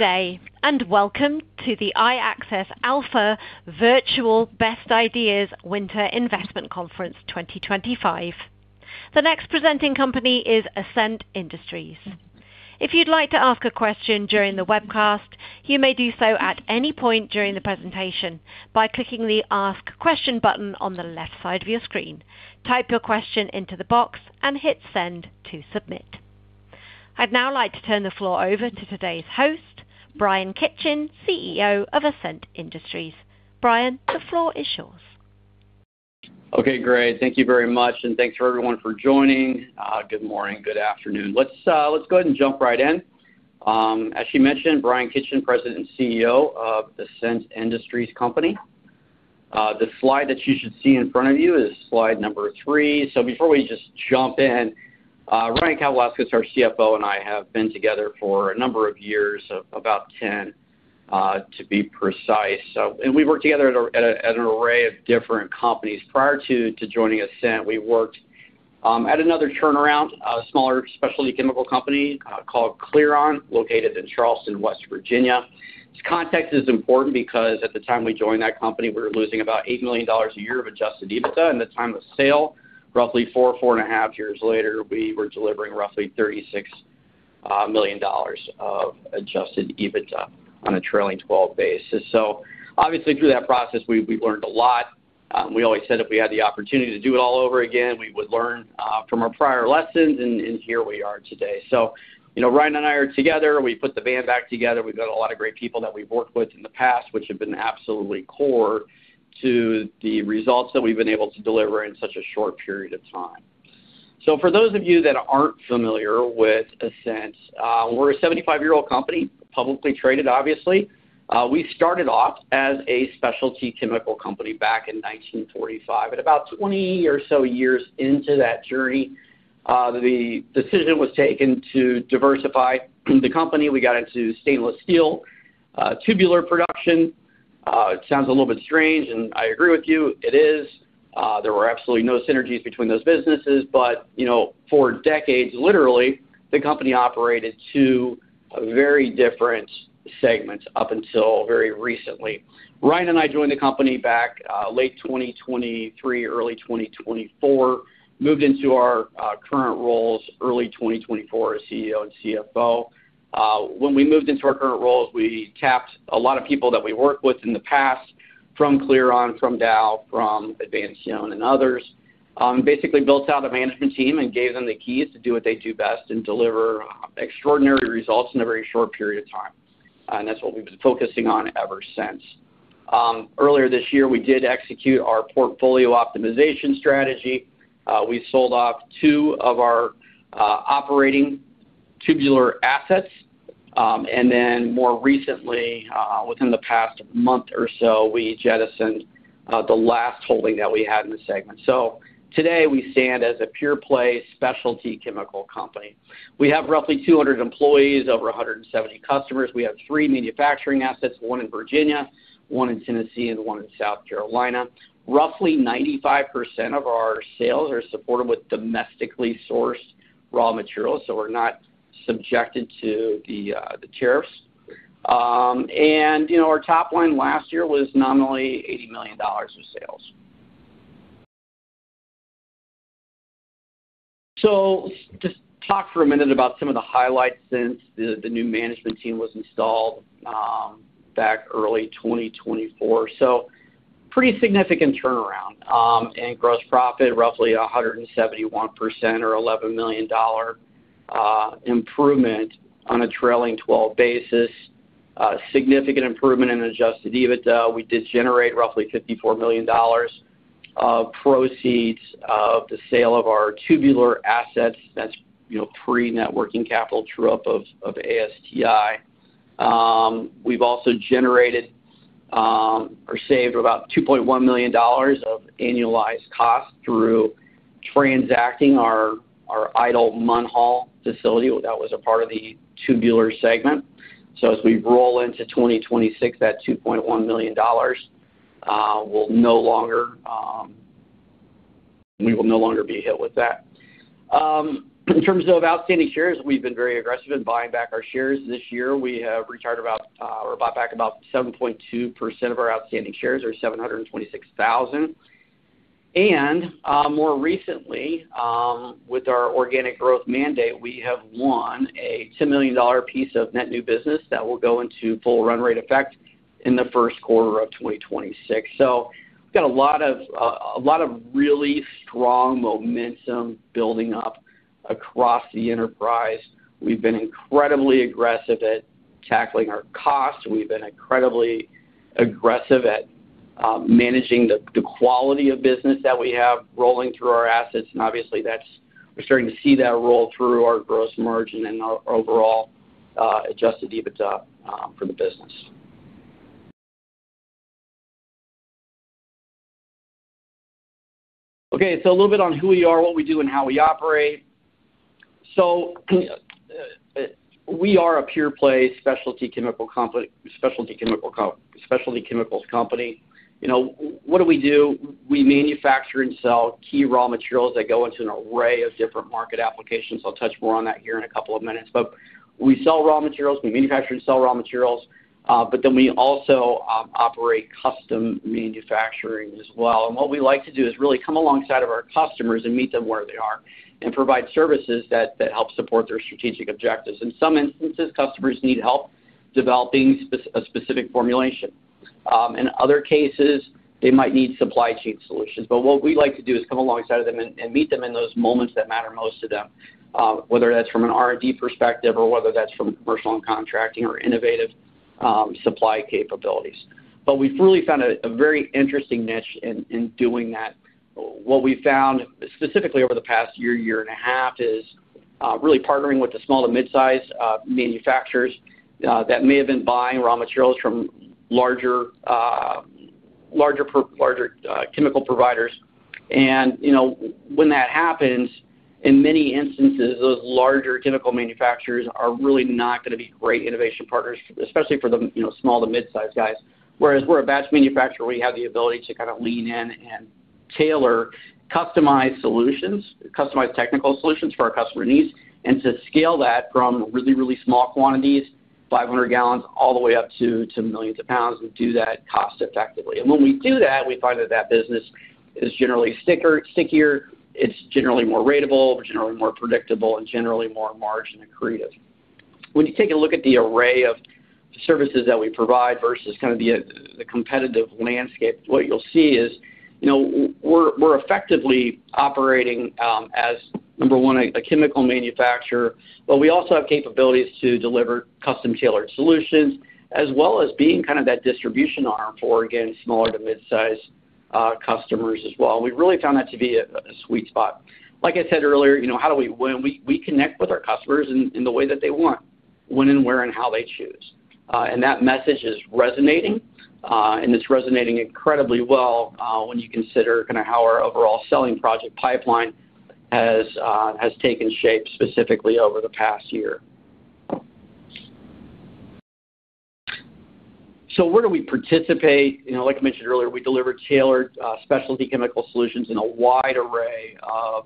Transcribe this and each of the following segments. Good day, and welcome to the iAccess Alpha Virtual Best Ideas Winter Investment Conference 2025. The next presenting company is Ascent Industries. If you'd like to ask a question during the webcast, you may do so at any point during the presentation by clicking the Ask Question button on the left side of your screen. Type your question into the box and hit Send to submit. I'd now like to turn the floor over to today's host, Brian Kitchen, CEO of Ascent Industries. Brian, the floor is yours. Okay, great. Thank you very much, and thanks for everyone for joining. Good morning, good afternoon. Let's go ahead and jump right in. As she mentioned, Brian Kitchen, President and CEO of Ascent Industries Company. The slide that you should see in front of you is slide number three. So before we just jump in, Ryan Kavalauskas, our CFO, and I have been together for a number of years, about 10, to be precise, and we've worked together at an array of different companies. Prior to joining Ascent, we worked at another turnaround, a smaller specialty chemical company called Clearon, located in Charleston, West Virginia. This context is important because at the time we joined that company, we were losing about $8 million a year of Adjusted EBITDA, and at the time of sale, roughly four, four and a half years later, we were delivering roughly $36 million of Adjusted EBITDA on a Trailing 12 basis. So obviously, through that process, we've learned a lot. We always said if we had the opportunity to do it all over again, we would learn from our prior lessons, and here we are today. So Ryan and I are together. We put the band back together. We've got a lot of great people that we've worked with in the past, which have been absolutely core to the results that we've been able to deliver in such a short period of time. So for those of you that aren't familiar with Ascent, we're a 75-year-old company, publicly traded, obviously. We started off as a specialty chemical company back in 1945. At about 20 or so years into that journey, the decision was taken to diversify the company. We got into stainless steel tubular production. It sounds a little bit strange, and I agree with you. It is. There were absolutely no synergies between those businesses, but for decades, literally, the company operated two very different segments up until very recently. Ryan and I joined the company back late 2023, early 2024, moved into our current roles early 2024 as CEO and CFO. When we moved into our current roles, we tapped a lot of people that we worked with in the past from Clearon, from Dow, from Advancion and others, and basically built out a management team and gave them the keys to do what they do best and deliver extraordinary results in a very short period of time. And that's what we've been focusing on ever since. Earlier this year, we did execute our portfolio optimization strategy. We sold off two of our operating tubular assets. And then more recently, within the past month or so, we jettisoned the last holding that we had in the segment. So today, we stand as a pure-play specialty chemical company. We have roughly 200 employees, over 170 customers. We have three manufacturing assets, one in Virginia, one in Tennessee, and one in South Carolina. Roughly 95% of our sales are supported with domestically sourced raw materials, so we're not subjected to the tariffs, and our top line last year was nominally $80 million of sales, so just talk for a minute about some of the highlights since the new management team was installed back early 2024. So pretty significant turnaround and gross profit, roughly 171% or $11 million improvement on a trailing 12 basis. Significant improvement in Adjusted EBITDA. We did generate roughly $54 million of proceeds of the sale of our tubular assets. That's pre-net working capital true-up of ASTI. We've also generated or saved about $2.1 million of annualized costs through transacting our idle Munhall facility that was a part of the tubular segment, so as we roll into 2026, that $2.1 million will no longer be hit with that. In terms of outstanding shares, we've been very aggressive in buying back our shares. This year, we have retired about or bought back about 7.2% of our outstanding shares, or 726,000, and more recently, with our organic growth mandate, we have won a $10 million piece of net new business that will go into full run rate effect in the first quarter of 2026, so we've got a lot of really strong momentum building up across the enterprise. We've been incredibly aggressive at tackling our costs. We've been incredibly aggressive at managing the quality of business that we have rolling through our assets, and obviously, we're starting to see that roll through our gross margin and our overall Adjusted EBITDA for the business, okay, so a little bit on who we are, what we do, and how we operate, so we are a pure-play specialty chemical company, you know. What do we do? We manufacture and sell key raw materials that go into an array of different market applications. I'll touch more on that here in a couple of minutes. But we sell raw materials. We manufacture and sell raw materials. But then we also operate custom manufacturing as well. And what we like to do is really come alongside of our customers and meet them where they are and provide services that help support their strategic objectives. In some instances, customers need help developing a specific formulation. In other cases, they might need supply chain solutions. But what we like to do is come alongside of them and meet them in those moments that matter most to them, whether that's from an R&D perspective or whether that's from commercial and contracting or innovative supply capabilities. But we've really found a very interesting niche in doing that. What we found specifically over the past year, year and a half, is really partnering with the small to mid-size manufacturers that may have been buying raw materials from larger chemical providers. When that happens, in many instances, those larger chemical manufacturers are really not going to be great innovation partners, especially for the small to mid-size guys. Whereas we're a batch manufacturer, we have the ability to kind of lean in and tailor customized solutions, customized technical solutions for our customer needs, and to scale that from really, really small quantities, 500 gallons, all the way up to millions of pounds and do that cost-effectively. When we do that, we find that that business is generally stickier, it's generally more ratable, generally more predictable, and generally more margin and creative. When you take a look at the array of services that we provide versus kind of the competitive landscape, what you'll see is we're effectively operating as, number one, a chemical manufacturer, but we also have capabilities to deliver custom-tailored solutions as well as being kind of that distribution arm for, again, smaller to mid-size customers as well. We've really found that to be a sweet spot, like I said earlier, how do we win? We connect with our customers in the way that they want, when and where and how they choose, and that message is resonating, and it's resonating incredibly well when you consider kind of how our overall selling project pipeline has taken shape specifically over the past year, so where do we participate? Like I mentioned earlier, we deliver tailored specialty chemical solutions in a wide array of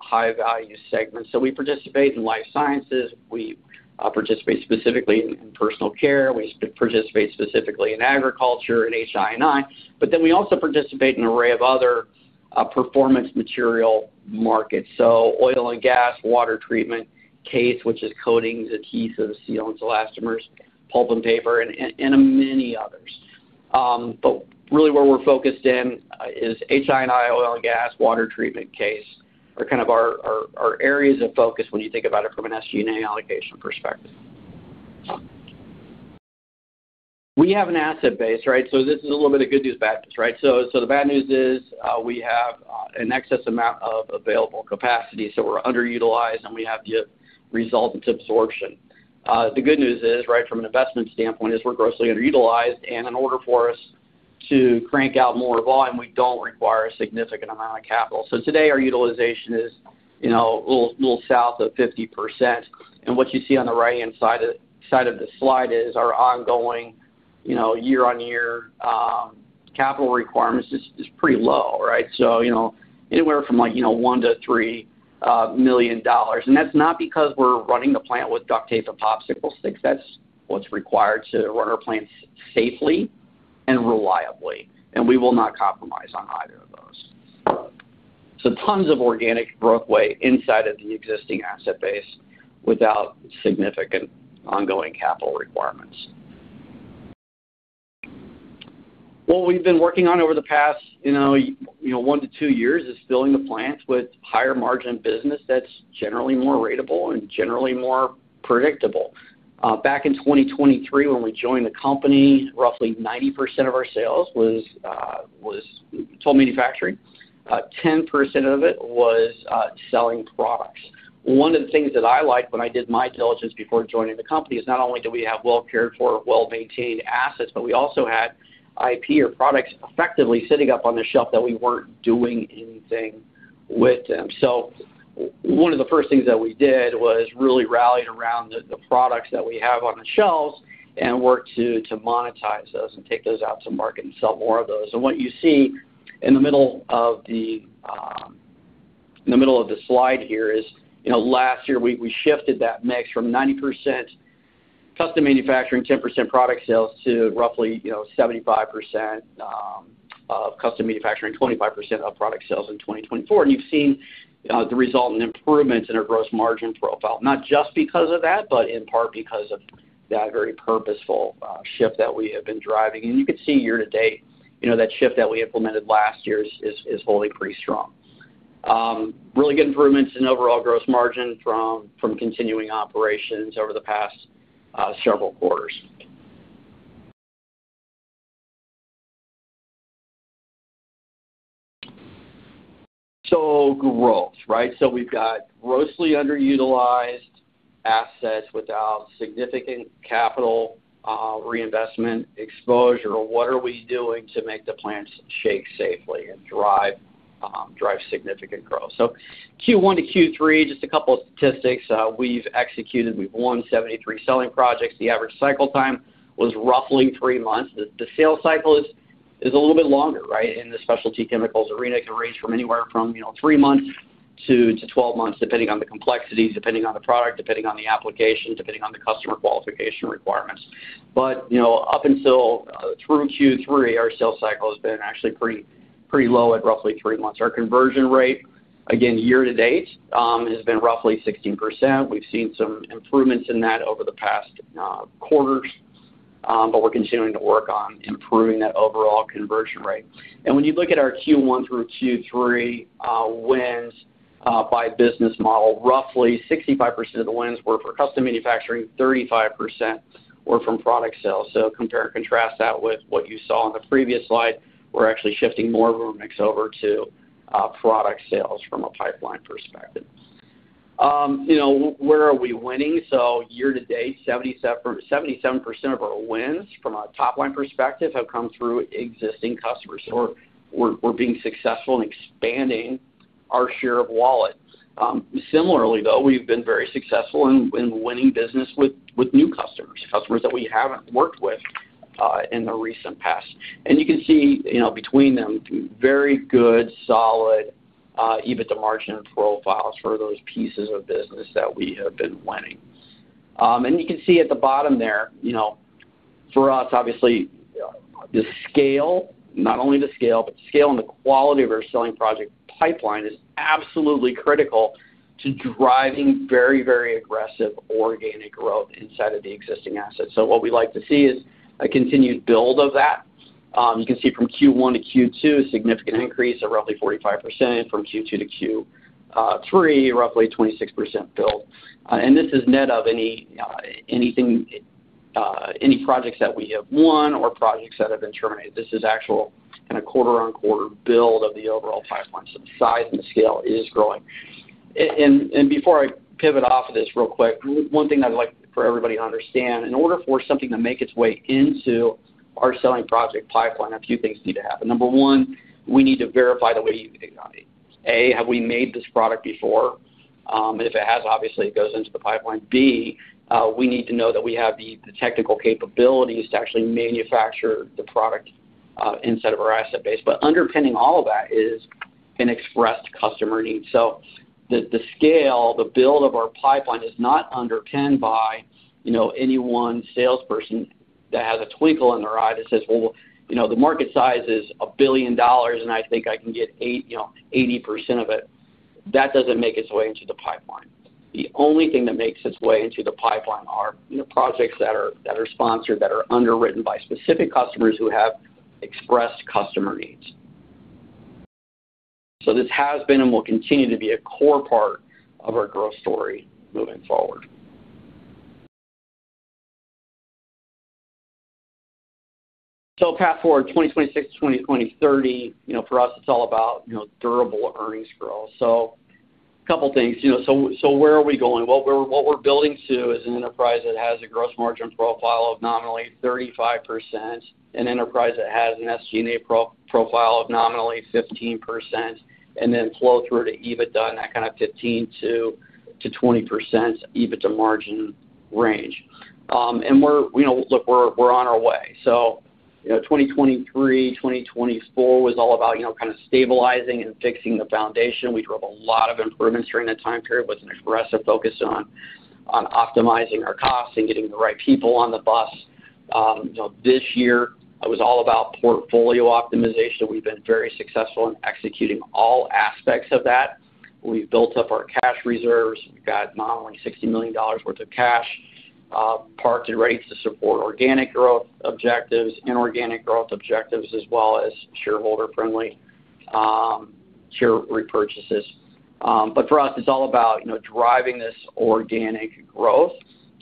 high-value segments, so we participate in life sciences. We participate specifically in personal care. We participate specifically in agriculture, in HI&I, but then we also participate in an array of other performance material markets, so oil and gas, water treatment CASE, which is coatings, adhesives, sealants, elastomers, pulp and paper, and many others, but really where we're focused in is HI&I, oil and gas, water treatment CASE are kind of our areas of focus when you think about it from an SG&A allocation perspective. We have an asset base, right, so this is a little bit of good news, bad news, right, so the bad news is we have an excess amount of available capacity, so we're underutilized, and we have resultant absorption. The good news is, right, from an investment standpoint, is we're grossly underutilized, and in order for us to crank out more volume, we don't require a significant amount of capital. So today, our utilization is a little south of 50%, and what you see on the right-hand side of the slide is our ongoing year-on-year capital requirements is pretty low, right, so anywhere from like $1-$3 million, and that's not because we're running the plant with duct tape and popsicle sticks. That's what's required to run our plants safely and reliably, and we will not compromise on either of those, so tons of organic growth way inside of the existing asset base without significant ongoing capital requirements. What we've been working on over the past one to two years is filling the plants with higher margin business that's generally more ratable and generally more predictable. Back in 2023, when we joined the company, roughly 90% of our sales was toll manufacturing. 10% of it was selling products. One of the things that I liked when I did my diligence before joining the company is not only do we have well-cared for, well-maintained assets, but we also had IP or products effectively sitting up on the shelf that we weren't doing anything with them. So one of the first things that we did was really rallied around the products that we have on the shelves and worked to monetize those and take those out to market and sell more of those. And what you see in the middle of the slide here is last year, we shifted that mix from 90% custom manufacturing, 10% product sales, to roughly 75% of custom manufacturing, 25% of product sales in 2024. And you've seen the resultant improvements in our gross margin profile, not just because of that, but in part because of that very purposeful shift that we have been driving. You can see year to date, that shift that we implemented last year is holding pretty strong. Really good improvements in overall gross margin from continuing operations over the past several quarters. So growth, right? So we've got grossly underutilized assets without significant capital reinvestment exposure. What are we doing to make the plants scale safely and drive significant growth? So Q1 to Q3, just a couple of statistics. We've executed. We've won 73 selling projects. The average cycle time was roughly three months. The sales cycle is a little bit longer, right? In the specialty chemicals arena, it can range from anywhere from three months to 12 months, depending on the complexities, depending on the product, depending on the application, depending on the customer qualification requirements. But up until through Q3, our sales cycle has been actually pretty low at roughly three months. Our conversion rate, again, year to date, has been roughly 16%. We've seen some improvements in that over the past quarters, but we're continuing to work on improving that overall conversion rate. And when you look at our Q1 through Q3 wins by business model, roughly 65% of the wins were for custom manufacturing. 35% were from product sales. So compare and contrast that with what you saw on the previous slide. We're actually shifting more of our mix over to product sales from a pipeline perspective. Where are we winning? So year to date, 77% of our wins from a top line perspective have come through existing customers. So we're being successful in expanding our share of wallet. Similarly, though, we've been very successful in winning business with new customers, customers that we haven't worked with in the recent past. And you can see between them very good, solid EBITDA margin profiles for those pieces of business that we have been winning, and you can see at the bottom there, for us, obviously, the scale, not only the scale, but the scale and the quality of our selling project pipeline is absolutely critical to driving very, very aggressive organic growth inside of the existing assets, so what we like to see is a continued build of that. You can see from Q1 to Q2, a significant increase of roughly 45%. From Q2 to Q3, roughly 26% build, and this is net of any projects that we have won or projects that have been terminated. This is actual kind of quarter-on-quarter build of the overall pipeline, so the size and the scale is growing. Before I pivot off of this real quick, one thing I'd like for everybody to understand, in order for something to make its way into our selling project pipeline, a few things need to happen. Number one, we need to verify the way you think about it. A, have we made this product before? If it has, obviously, it goes into the pipeline. B, we need to know that we have the technical capabilities to actually manufacture the product inside of our asset base. But underpinning all of that is an expressed customer need. So the scale, the build of our pipeline is not underpinned by any one salesperson that has a twinkle in their eye that says, "Well, the market size is $1 billion, and I think I can get 80% of it." That doesn't make its way into the pipeline. The only thing that makes its way into the pipeline are projects that are sponsored, that are underwritten by specific customers who have expressed customer needs. So this has been and will continue to be a core part of our growth story moving forward. So path forward, 2026 to 2030, for us, it's all about durable earnings growth. So a couple of things. So where are we going? What we're building to is an enterprise that has a gross margin profile of nominally 35%, an enterprise that has an SG&A profile of nominally 15%, and then flow through to EBITDA and that kind of 15%-20% EBITDA margin range. And look, we're on our way. So 2023, 2024 was all about kind of stabilizing and fixing the foundation. We drove a lot of improvements during that time period with an aggressive focus on optimizing our costs and getting the right people on the bus. This year, it was all about portfolio optimization. We've been very successful in executing all aspects of that. We've built up our cash reserves. We've got nominally $60 million worth of cash parked and ready to support organic growth objectives, inorganic growth objectives, as well as shareholder-friendly share repurchases. But for us, it's all about driving this organic growth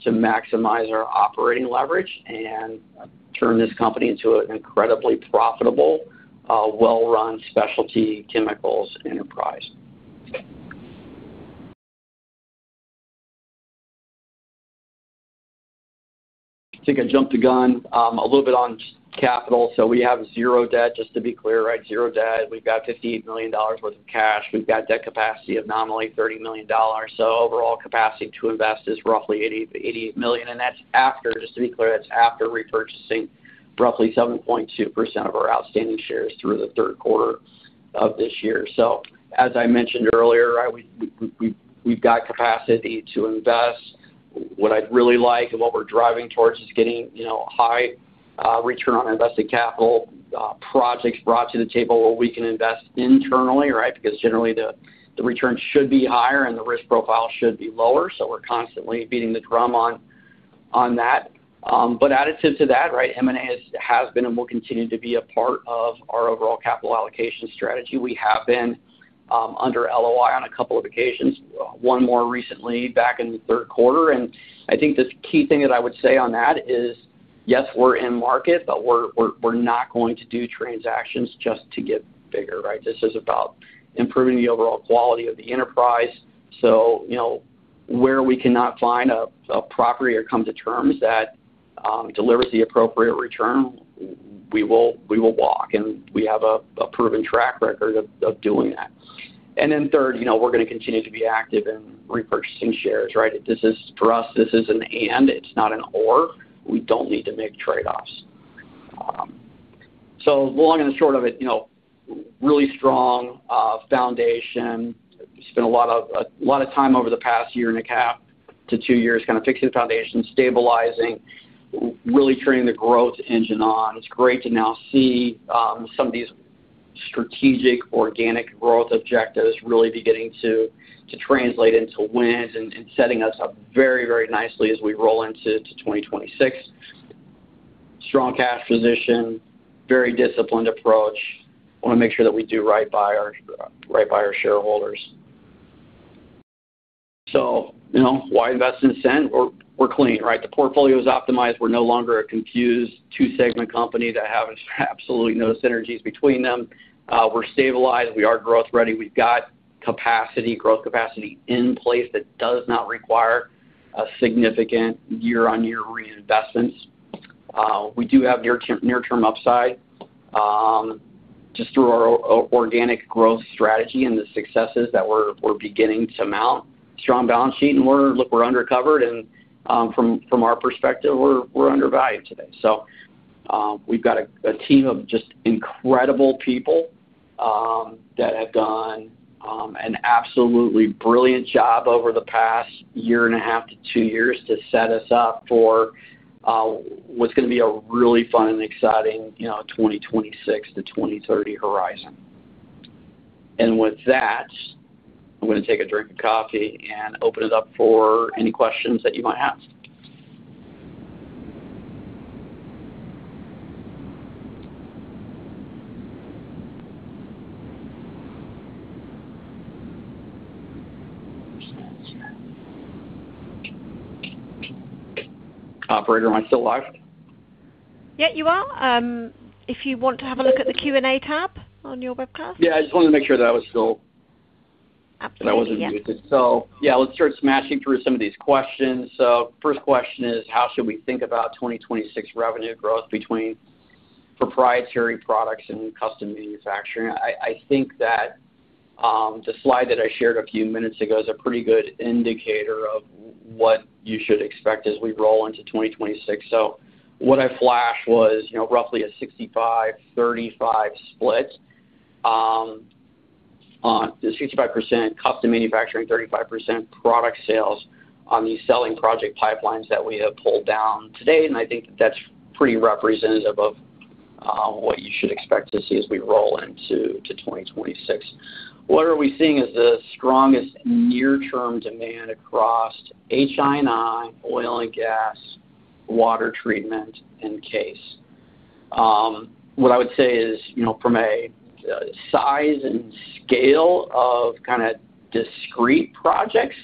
to maximize our operating leverage and turn this company into an incredibly profitable, well-run specialty chemicals enterprise. I think I jumped the gun a little bit on capital. So we have zero debt, just to be clear, right? Zero debt. We've got $58 million worth of cash. We've got debt capacity of nominally $30 million. So overall capacity to invest is roughly $88 million. And that's after, just to be clear, that's after repurchasing roughly 7.2% of our outstanding shares through the third quarter of this year. So as I mentioned earlier, we've got capacity to invest. What I'd really like and what we're driving towards is getting high return on invested capital projects brought to the table where we can invest internally, right? Because generally, the return should be higher and the risk profile should be lower. So we're constantly beating the drum on that. But additive to that, right, M&A has been and will continue to be a part of our overall capital allocation strategy. We have been under LOI on a couple of occasions, one more recently back in the third quarter. And I think the key thing that I would say on that is, yes, we're in market, but we're not going to do transactions just to get bigger, right? This is about improving the overall quality of the enterprise. So where we cannot find a property or come to terms that delivers the appropriate return, we will walk. And we have a proven track record of doing that. And then third, we're going to continue to be active in repurchasing shares, right? For us, this is an and. It's not an or. We don't need to make trade-offs. So, the long and the short of it, really strong foundation. We spent a lot of time over the past year and a half to two years kind of fixing the foundation, stabilizing, really turning the growth engine on. It's great to now see some of these strategic organic growth objectives really beginning to translate into wins and setting us up very, very nicely as we roll into 2026. Strong cash position, very disciplined approach. Want to make sure that we do right by our shareholders. So why invest in Ascent? We're clean, right? The portfolio is optimized. We're no longer a confused two-segment company that has absolutely no synergies between them. We're stabilized. We are growth-ready. We've got growth capacity in place that does not require significant year-on-year reinvestments. We do have near-term upside just through our organic growth strategy and the successes that we're beginning to mount. Strong balance sheet. And look, we're undercovered. And from our perspective, we're undervalued today. So we've got a team of just incredible people that have done an absolutely brilliant job over the past year and a half to two years to set us up for what's going to be a really fun and exciting 2026 to 2030 horizon. And with that, I'm going to take a drink of coffee and open it up for any questions that you might have. Operator, am I still live? Yeah, you are. If you want to have a look at the Q&A tab on your webcast. Yeah, I just wanted to make sure that was still. Absolutely. That wasn't muted. So yeah, let's start smashing through some of these questions. So first question is, how should we think about 2026 revenue growth between proprietary products and custom manufacturing? I think that the slide that I shared a few minutes ago is a pretty good indicator of what you should expect as we roll into 2026. So what I flashed was roughly a 65-35 split. 65% custom manufacturing, 35% product sales on these selling project pipelines that we have pulled down today. I think that that's pretty representative of what you should expect to see as we roll into 2026. What are we seeing as the strongest near-term demand across HI&I, oil and gas, water treatment, and CASE? What I would say is, from a size and scale of kind of discrete projects,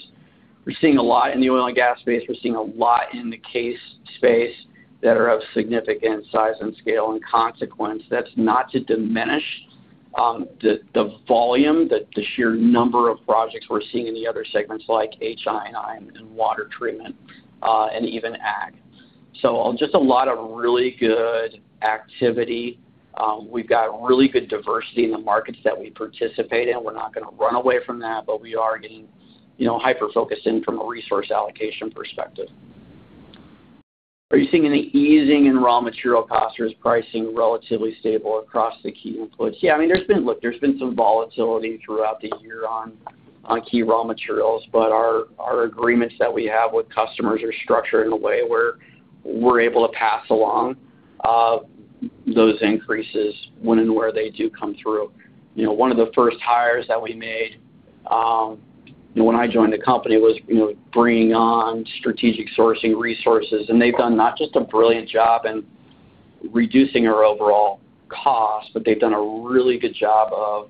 we're seeing a lot in the oil and gas space. We're seeing a lot in the CASE space that are of significant size and scale and consequence. That's not to diminish the volume, the sheer number of projects we're seeing in the other segments like HI&I and water treatment and even ag. So just a lot of really good activity. We've got really good diversity in the markets that we participate in. We're not going to run away from that, but we are getting hyper-focused in from a resource allocation perspective. Are you seeing any easing in raw material costs? Is pricing relatively stable across the key inputs? Yeah. I mean, look, there's been some volatility throughout the year on key raw materials, but our agreements that we have with customers are structured in a way where we're able to pass along those increases when and where they do come through. One of the first hires that we made when I joined the company was bringing on strategic sourcing resources, and they've done not just a brilliant job in reducing our overall cost, but they've done a really good job of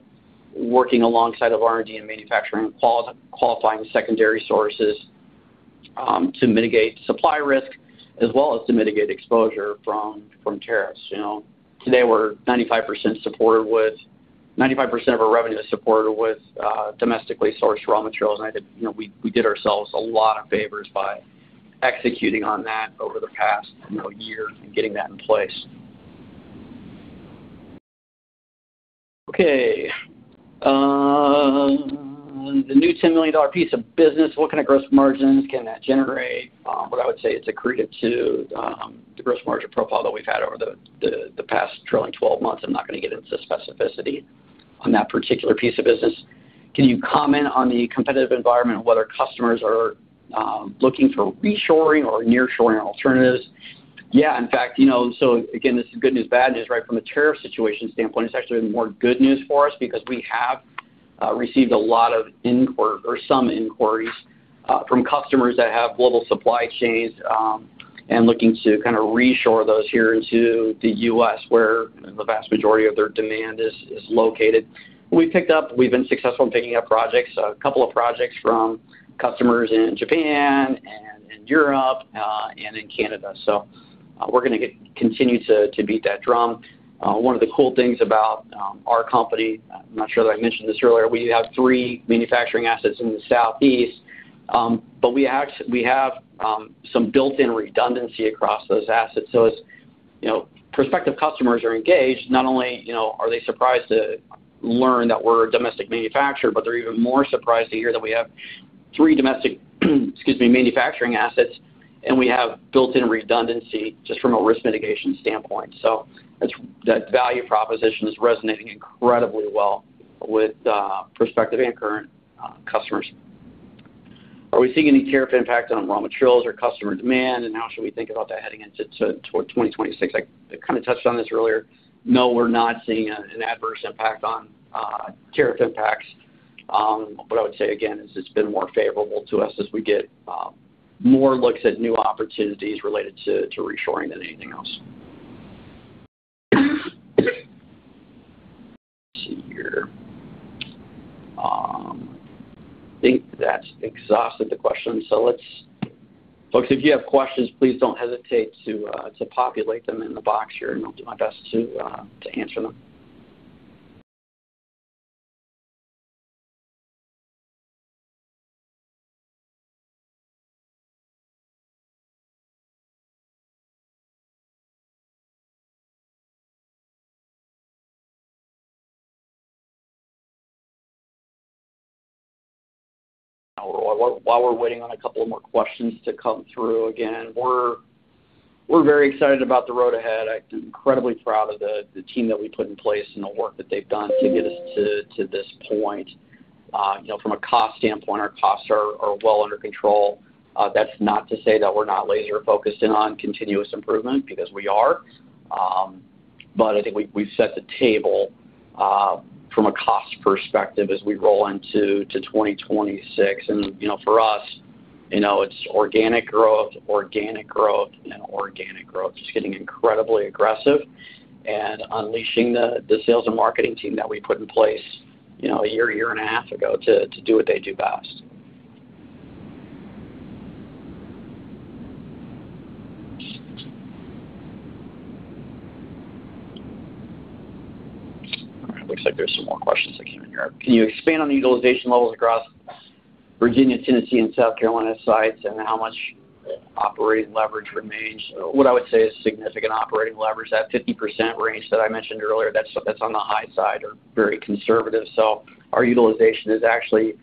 working alongside of R&D and manufacturing and qualifying secondary sources to mitigate supply risk as well as to mitigate exposure from tariffs. Today, we're 95% supported with 95% of our revenue is supported with domestically sourced raw materials. We did ourselves a lot of favors by executing on that over the past year and getting that in place. Okay. The new $10 million piece of business, what kind of gross margins can that generate? What I would say is accretive to the gross margin profile that we've had over the past trailing 12 months. I'm not going to get into specificity on that particular piece of business. Can you comment on the competitive environment, whether customers are looking for reshoring or near-shoring alternatives? Yeah. In fact, so again, this is good news, bad news, right? From a tariff situation standpoint, it's actually been more good news for us because we have received a lot of inquiries or some inquiries from customers that have global supply chains and looking to kind of reshore those here into the U.S., where the vast majority of their demand is located. We've been successful in picking up projects, a couple of projects from customers in Japan and in Europe and in Canada. So we're going to continue to beat that drum. One of the cool things about our company, I'm not sure that I mentioned this earlier, we have three manufacturing assets in the Southeast, but we have some built-in redundancy across those assets. So as prospective customers are engaged, not only are they surprised to learn that we're a domestic manufacturer, but they're even more surprised to hear that we have three domestic manufacturing assets and we have built-in redundancy just from a risk mitigation standpoint. So that value proposition is resonating incredibly well with prospective and current customers. Are we seeing any tariff impact on raw materials or customer demand? And how should we think about that heading into 2026? I kind of touched on this earlier. No, we're not seeing an adverse impact on tariff impacts. What I would say, again, is it's been more favorable to us as we get more looks at new opportunities related to reshoring than anything else. Let's see here. I think that's exhausted the questions. So folks, if you have questions, please don't hesitate to populate them in the box here, and I'll do my best to answer them. While we're waiting on a couple of more questions to come through, again, we're very excited about the road ahead. I'm incredibly proud of the team that we put in place and the work that they've done to get us to this point. From a cost standpoint, our costs are well under control. That's not to say that we're not laser-focused in on continuous improvement because we are. But I think we've set the table from a cost perspective as we roll into 2026. And for us, it's organic growth, organic growth, and organic growth. Just getting incredibly aggressive and unleashing the sales and marketing team that we put in place a year, year and a half ago to do what they do best. Looks like there's some more questions that came in here. Can you expand on the utilization levels across Virginia, Tennessee, and South Carolina sites and how much operating leverage remains? What I would say is significant operating leverage. That 50% range that I mentioned earlier, that's on the high side or very conservative. So our utilization is actually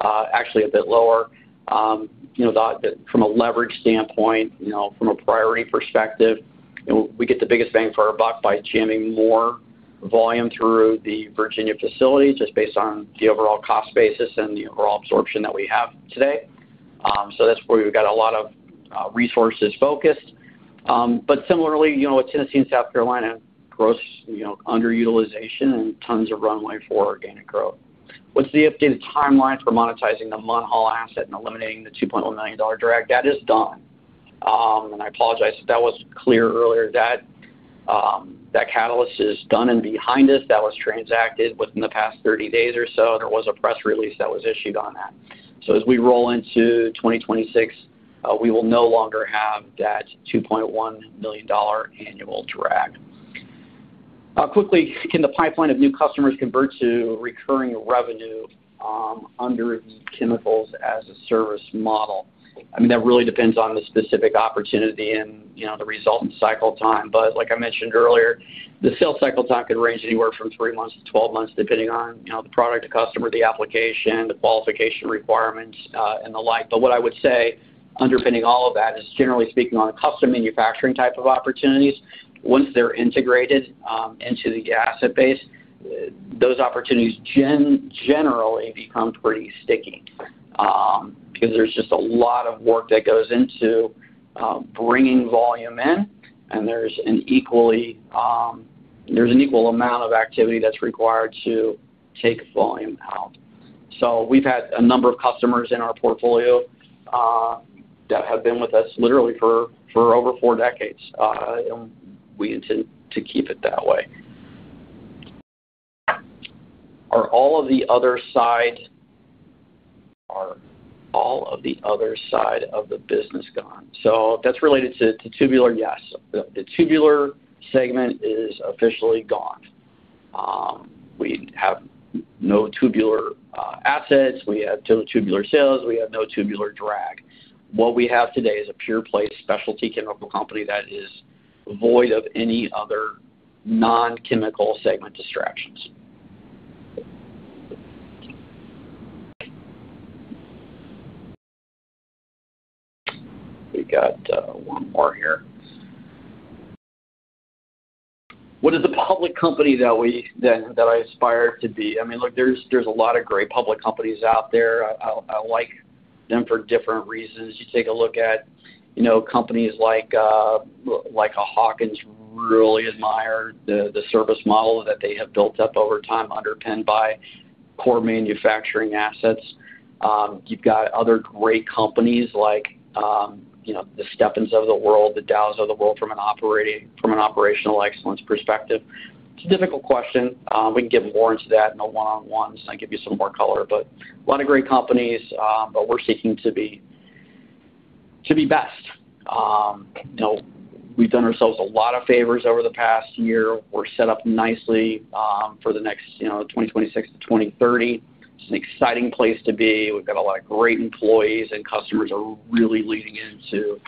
a bit lower. From a leverage standpoint, from a priority perspective, we get the biggest bang for our buck by jamming more volume through the Virginia facility just based on the overall cost basis and the overall absorption that we have today. So that's where we've got a lot of resources focused. But similarly, with Tennessee and South Carolina, gross underutilization and tons of runway for organic growth. What's the updated timeline for monetizing the Munhall asset and eliminating the $2.1 million drag? That is done. And I apologize if that wasn't clear earlier. That catalyst is done and behind us. That was transacted within the past 30 days or so. There was a press release that was issued on that. So as we roll into 2026, we will no longer have that $2.1 million annual drag. Quickly, can the pipeline of new customers convert to recurring revenue under the chemicals as a service model? I mean, that really depends on the specific opportunity and the resultant cycle time. But like I mentioned earlier, the sales cycle time could range anywhere from three months to 12 months, depending on the product, the customer, the application, the qualification requirements, and the like. But what I would say, underpinning all of that is, generally speaking, on the custom manufacturing type of opportunities, once they're integrated into the asset base, those opportunities generally become pretty sticky because there's just a lot of work that goes into bringing volume in, and there's an equal amount of activity that's required to take volume out. So we've had a number of customers in our portfolio that have been with us literally for over four decades, and we intend to keep it that way. Are all of the other side of the business gone? So that's related to tubular, yes. The tubular segment is officially gone. We have no tubular assets. We have no tubular sales. We have no tubular drag. What we have today is a pure-play specialty chemical company that is void of any other non-chemical segment distractions. We got one more here. What is the public company that I aspire to be? I mean, look, there's a lot of great public companies out there. I like them for different reasons. You take a look at companies like Hawkins. Really admire the service model that they have built up over time underpinned by core manufacturing assets. You've got other great companies like the Stepan of the world, the Dow's of the world from an operational excellence perspective. It's a difficult question. We can give more into that in a one-on-one. So I'll give you some more color. But a lot of great companies, but we're seeking to be best. We've done ourselves a lot of favors over the past year. We're set up nicely for the next 2026 to 2030. It's an exciting place to be. We've got a lot of great employees, and customers are really leaning into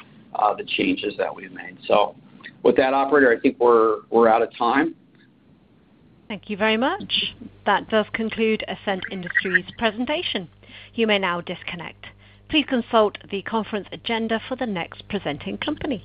the changes that we've made. So with that, operator, I think we're out of time. Thank you very much. That does conclude Ascent Industries' presentation. You may now disconnect. Please consult the conference agenda for the next presenting company.